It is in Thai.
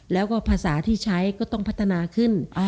แล้วก็ภาษาที่ใช้ก็ต้องพัฒนาขึ้น